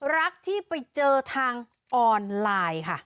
รักที่ไปเจอทางออนไลน์ค่ะ